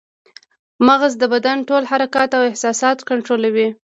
مغز د بدن ټول حرکات او احساسات کنټرولوي